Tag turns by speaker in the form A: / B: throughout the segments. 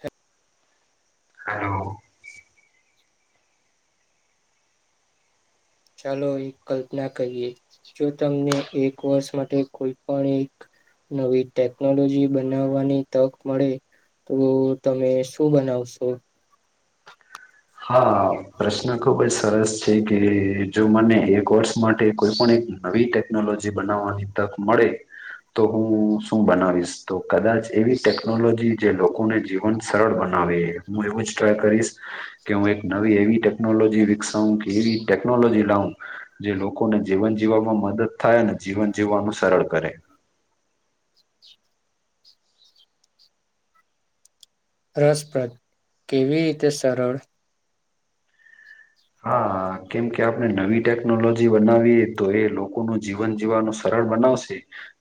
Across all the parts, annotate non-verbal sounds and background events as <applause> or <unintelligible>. A: હેપ
B: hello.
A: ચાલો એક કલ્પના કરીએ જો તમને એક વર્ષ માટે કોઈ પણ એક નવી ટેકનોલોજી બનાવવાની તક મળે. તો તમે શું બનાવશો?
B: હા પ્રશ્ન ખુબ જ સરસ છે કે જો મને એક વર્ષ માટે કોઈ પણ એક નવી ટેકનોલોજી બનાવવાની તક મળે તો હું શું બનાવીશ તો કદાચ એવી ટેકનોલોજી જે લોકોને જીવન સરળ બના હું એવું જ ટ્રાય કરીશ, કે હું એક નવી એવી ટેકનોલોજી વિકસાવ કે એવી ટેકનોલોજી લાવ જે લોકોને જીવન જીવવામાં મદદ થાય અનેને જીવન જીવવાનું સરળ કરે,
A: રસપ્રદ કેવી રીતે સરળ?
B: હા હા હ કેમ કે આપણે નવી ટેકનોલોજી બનાવીએ તો એ લોકોનું જીવન જીવવાનું સરળ બનાવશે,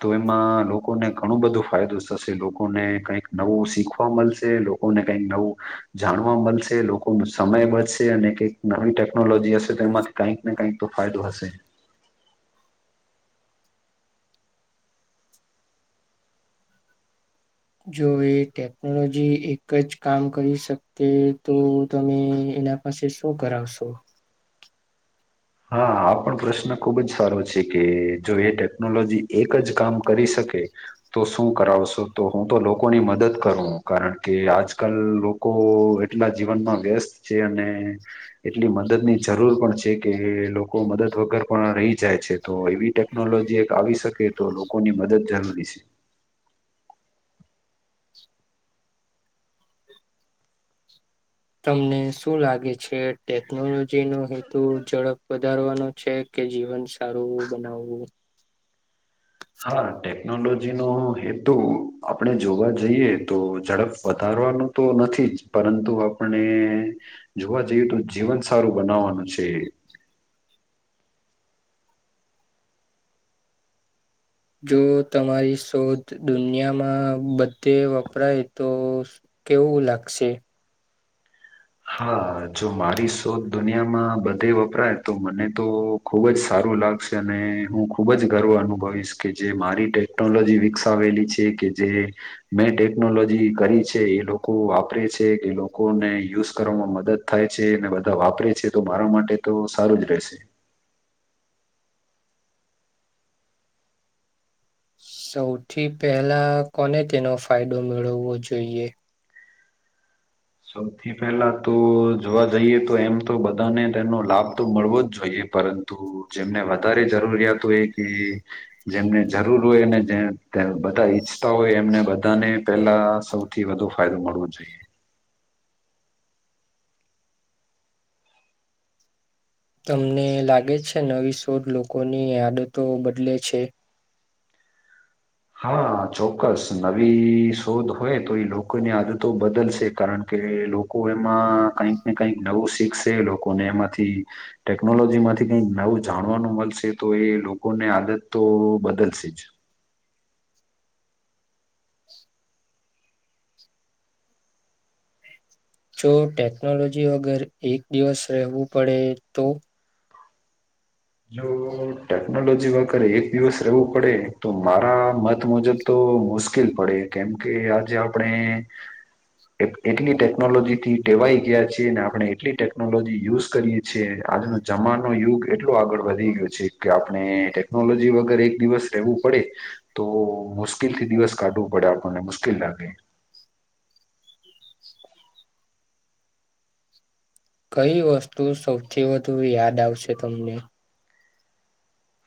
B: તો એમાં લોકોને ઘણું બધું ફાયદો થશે લોકોને કઈક નવું શીખવા મળશે, લોકોને કઈક નવું જાણવા મળશે લોકો ન સમય બશે અને કઈક નવી ટેકનોલોજી હશે તેમાંથી કઈક ને કઈક તો ફાયદો હશે,
A: જો એ ટેકનોલોજી એક જ કામ કરી શકતે તો તમે એના પાસે શું કરાવશો?
B: હા આ પણ પ્રશ્ન ખુબ જ સારો છે, કે જો એ ટેકનોલોજી એક જ કામ કરી શકે તો શું કરાવશો? તો હું તો લોકોની મદદ કરું કારણ કે આજકાલ લોકો એટલા જીવનમાં વ્યસ્ત છે, અને એટલી મદદની જરૂર પણ છે. કે લોકો મદદ વગર પણ રહી જાય છે, તો એવી ટેકનોલોજી એક આવી શકે તો લોકોની મદ જ જરૂરી છે.
A: તમને શું લાગે છે ટેકનોલોજી નો હેતુ ઝડપ વધારવાનો છે કે જીવન સારું બનાવવું?
B: હા ટેકનોલોજી નો હેતુ આપણે જોવા જઈએ તો ઝડપ વધારવાનો તો નથી, જ પરંતુ આપણે જોવા જઈએ તો જીવન સારું બનાવવાનું છે, <unintelligible>
A: જો તમારી શોધ દુનિયામાં બધે વપરાય તો, કેવું લાગશે?
B: હા, જો મારી શોધ દુનિયામાં બધે વપરાય તો મને તો ખુબ જ સારું, લાગશે અને હું ખુબ જ ગર્વ અનુભવીશ કે જે મારી ટેકનોલોજી વિકસાવેલી છે, કે જે મેં ટેકનોલોજી કરી છે એ લોકો વાપરે છે કે લોકોને યુઝ કરવામાં મદદ થાય છે, અને બધા વાપરે છે તો મારા માટે તો સારું જ રહેશે.
A: સૌથી પહેલા કોને તેનો ફાયદો મેળવવો જોઈએ?
B: સૌથી પેલા તો જોવા જઈએ તો એમ તો બધાને તેનો લાભ તો મળવો જ જોઈએ, પરંતુ જેમને વધારે જરૂરિયાત હોય કે જેમને જરૂર હોયને જે બધા ઈચ્છતા હોય એમને બધાને પેલા સૌથી વધુ ફાયદો મળવો જોઈએ.
A: તમને લાગે છે નવી શોધ લોકોની આદતો બદલે છે?
B: <unintelligible> હા, ચોક્કસ નવી શોધ હોય તો એ લોકોની આદતો બદલશે કારણ કે કે લોકો એમાં કઈક ને કઈક નવું શીખશે, લોકોને એમાંથી ટેકનોલોજીમાં થી કઈ નવું જાણવાનું મળશે, તો એ લોકોને આદત તો બદલશે જ
A: જો ટેકનોલોજી વગર એક દિવસ રહેવું પડે તો?
B: જો ટેકનોલોજી વગરે એક દિવસ રહેવું પડે તો મારા મત મુજબ તો બ મુશ્કેલ પડે કેમ કે, આજે આપણે એટલી ટેકનોલોજી થી ટેવાઈ ગયા છીએ, ને આપણે એટલી ટેકનોલોજી યુઝ કરીએ છએ આજનો જમાનો યુગ એટ આગળ વધી ગયો છે, કે આપણે ટેકનોલોજી વગર એક દિવસ રહેવું પડે તો મુશ્કેલથી દિવસ કાઢવું પડે આપણને મુશ્કેલ લાગે.
A: કઈ વસ્તુ સૌથી વધુ યાદ આવશે તમને?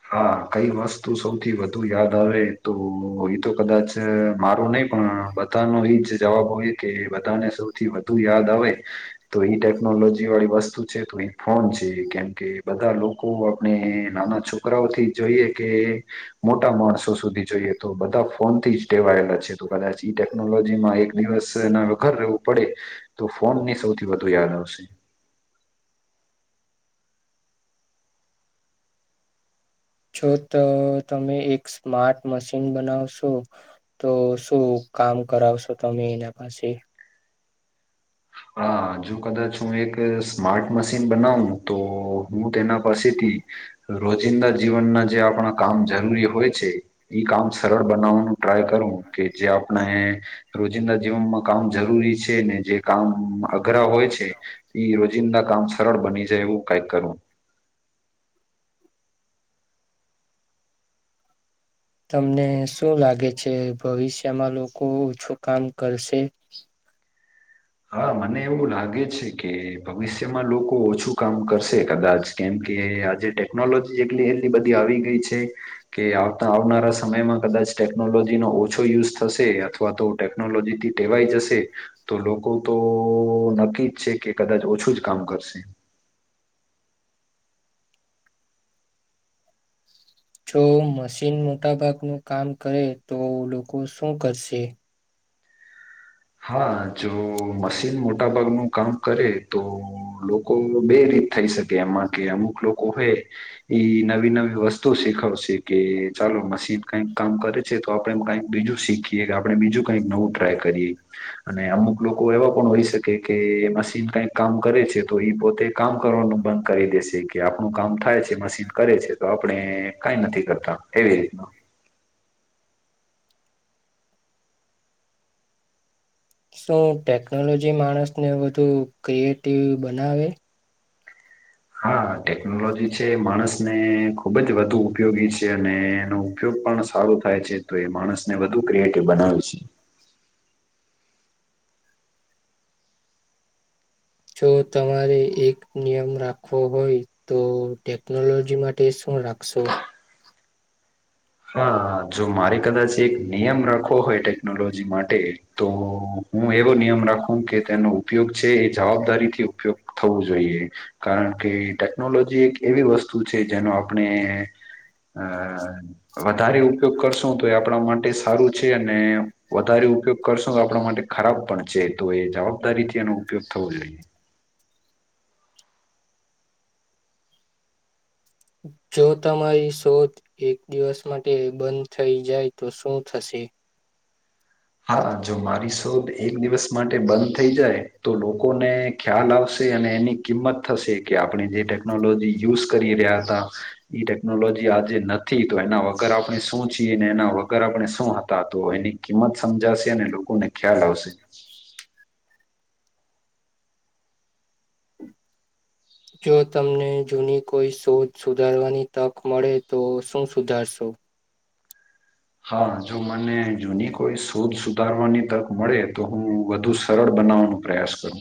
B: હા, કઈ વસ્તુ સૌથી વધુ યાદ આવે તો એ તો કદાચ મારો નહી પણ બધાનો એ જ જવાબ હોય કે, બધાને સૌથી વધુ યાદ આવે તો એટેપ ટેનોલોજી વાળી વસ્તુ છે તો અ ફોન છે, કેમ કે બધા લોકો આપણે નાના છોક છોકરાઓથી જોઈએ કે મોટા માણસો સુધી જોઈએ તો બધા ફોનથી જ ટેવાયેલા છે તો કદાચ ટેકનોલોજીમાં એક દિવસ ના વઘર રહેવું પડે તો ફોન ની સૌથી વધુ યાદ આવે પછી
A: જો તો તમે એક સ્માર્ટ મશીન બનાવશો તો શું કામ કરાવશો તમે એના પાછી
B: હા જો કદાચ હું એક સ્માર્ટ મશીન બનાવું તો હું તેના પાસેથી રોજિંદા જીવનના જે આપણા કામ જરૂરી હોય છે એ કામ સરળ બનાવવાનું ટ્રાય કરવું કે જે આપણે રોજિંદા જીવનમાં કામ જરૂરી છે ને જે કામ અઘરા હોય છે એ રોજિંદા કામ સરળ બની જાય એવું કઈક કરવું
A: તમને શું લાગે છે ભવિષ્યમાં લોકો ઓછું કામ કરશે
B: હા મને એવું લાગે છે કે ભવિષ્યમાં લોકો ઓછું કામ કરશે કદાચ કેમ. કે આજે ટેકનોલોજી જેટલી એટલી બધી આવી ગઈ છે કે આવતા આવનારા સમયમાં કદાચ ટેકનોલોજી ન ઓછો યુઝ થશે અથવા તો ટેકનોલોજીથી ટેવાઈ જશે તો, લોકો તો નક્કી જ છે કે કદાચ ઓછું જ કામ કરશે
A: જો મશીન મોટા ભાગનું કામ કરે તો લોકો શું કરશે
B: હા જો મશીન મોટા ભાગનું કામ કરે તો લોકો બે રી થઈ શકે એમાં કે અમુક લોકો હવે ઈ નવી નવી વસ્તુ શીખવશે કે ચાલો મશીન કઈક કામ કરે છે તો આપડે કઈક બીજું શીખીએ કે આપડે બીજું કઈક નવું ટ્રાય કરીએ અને અમુક લોકો એવા પણ હોય શકે કે મશીન કઈક કામ કરે છે તો એ પોતે કામ કર કરવાનું બંધ કરી દેશે કે આપણું કામ થાય છે મશીન કરે છે તો આપણે કઈ નથી કરતા તે રીતના
A: શું ટેકનોલોજી માણસને વધુ ક્રિએટિવ બનાવે
B: હા ટેકનોલોજી છે માણસ ને ખૂબ જ વધુ ઉપયોગી છે અને એનો ઉપયોગ પણ સારો થાય છે તો એ માણસને વધુ ક્રિએટિવ બનાવી છે
A: જો તમારે એક નિયમ રાખવો હોય તો ટેકનોલોજી માટે શું રાખશો
B: હા જો મારે કદાચ એક નિયમ રાખવો હોય ટેકનોલોજી માટે તો હું એવો નિયમ રાખું કે તેનો ઉપયોગ છે એ જવાબદારી થી ઉપયોગ થવું જોઈએ કારણ કે ટેકનોલોજી એક એવી વસ્તુ છે જેનો આપણે અ વધારે ઉપયોગ કરશો તો એ આપણા માટે સારું છે અને વધારે ઉપયોગ કરશો તો આપણા માટે ખરાબ પણ છે તો એ જવાબદારીથી એનો ઉપયોગ થવો જ જોઈએ
A: જો તમારી શોધ એક દિવસ માટે બંધ થઈ જાય તો શું થશે <inaudible>
B: હા જો મારી શોધ એક દિવસ માટે બંધ થઈ જાય તો લોકોને ખ્યાલ આવશે અને એની કિંમત થશે કે આપણે જે ટેકનોલોજી યુઝ કરી રહ્યા હતા ઈ ટેકનોલોજી આજે નથી તો એના વગર આપણે શું છીએ ને એના વગર આપણે શું હતા તો એની કિંમત સમજાશે અને લોકોને ખ્યાલ આવશે
A: જો તમને જૂની કોઈ શોધ સુધારવાની તક મળે તો શું સુધારશો
B: હા જો મને જૂની કોઈ શોધ સુધારવાની તક મળે તો હું વધુ સરળ બ બનાવાનો પ્રયાસ કરુ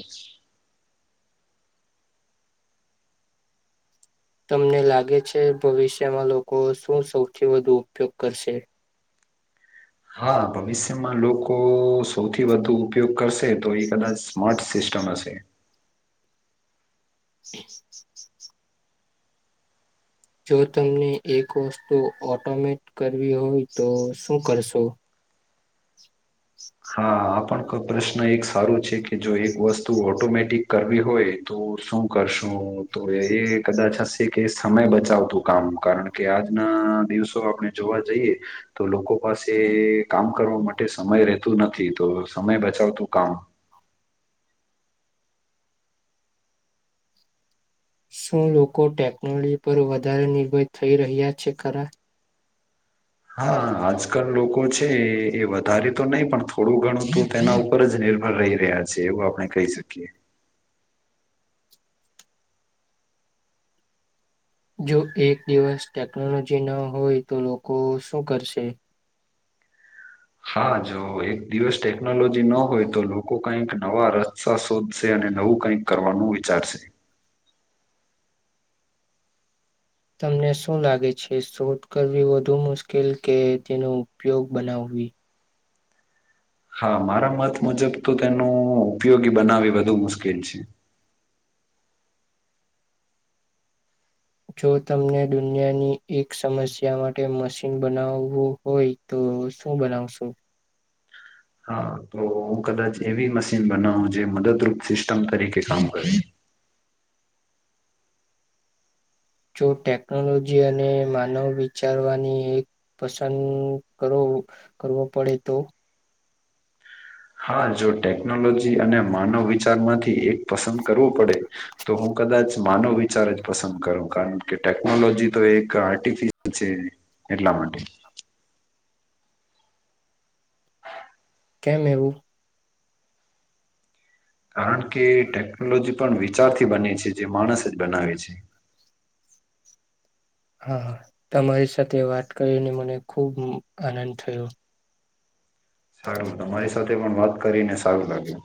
A: તમને લાગે છે ભવિષ્યમાં લોકો શું સૌથી વધુ ઉપયોગ કરશે
B: હા ભવિષ્યમાં લોકો સૌથી વધુ ઉપયોગ કરશે તો એ કદાચ સ્માર્ટ સિસ્ટમ હશે
A: <inaudible> જો તમને એક વસ્તુ ઓટોમેટ કરવી હોય તો શું કરશો
B: હા
A: <inaudible>
B: આ પ્રશ્ન એક સારું છે કે જો એક વસ્તુ ઓટોમેટિક કરવી હોય તો શું કરશું તો એ કદાચ હશે કે સમય બચાવતું હોયે કારણ કે આજના દિવસો આપણે જોવા જઈએ, તો લોકો પાસે કામ કરવા માટે સમય રહેતું નથી તો સમય બચાવતું કામ.
A: શું લોકો ટેકનોલોજી પર વધારે નિર્ભય થઈ રહ્યા છે ખરા.
B: હા આજકાલ લોકો છે એ વધારે તો નહીં પણ થોડું ઘણું તું તેના ઉપર જ ને. નિર્ભર રહી રહ્યા છે એવું આપણે કહી શકીએ.
A: જો એક દિવસ ટેકનોલોજી ન હોય તો લોકો શું કરશે?
B: હા જો એક દિવસ ટેકનોલોજી ન હોય તો લોકો કઈક નવા રસ્તા શોધશે અને અને નવું કંઈક કરવાનું વિચારશે.
A: તમને શું લાગે છે શોટ કરવી વધુ મુશ્કેલ કે તેનો ઉપયોગ બનાવવો? વી.
B: હા મારા મત મુજબ તો તેનું ઉપયોગી બનાવી વધુ મુશ્કેલ છે.
A: જો તમને દુનિયાની એક સમસ્યા માટે મશીન બનાવવું હોય તો તો શું બનાવશું?
B: હા તો હું કદાચ એવી મશીન બનાવું જે મદદરૂપ સિસ્ટમ તરીકે કામ કરશ. <inaudible>
A: જો ટેકનોલોજી અને માનવ વિચારવાની એક પસંદ કરો. કરવો પડે તો?
B: હા જો ટેકનોલોજી અને માનવ વિચાર માંથી એક પસંદ કરવું પડે, તો હું કદાચ માનવ વિચાર જ પસંદ કરો કારણ કે ટેકનોલોજી તો એક આર્ટિફિશયલ છે. એટલા માટે.
A: કેમ એવું?
B: કારણ કે ટેકનોલોજી પણ વિચારથી બને છે જે માણસ જ બનાવે છે. <inaudible>
A: હા તમારી સાથે વાત કરીને મને ખૂબ આનંદ થયો.
B: સારું તમારી સાથે પણ વાત કરીને સારું લાગ્યું.